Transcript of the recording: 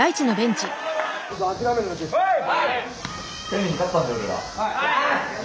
はい！